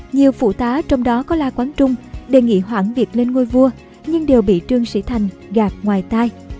nhiều phụ tá trong đó có la quán trung đề nghị hoãn việc lên ngôi vua nhưng đều bị trương sĩ thành gạt ngoài tai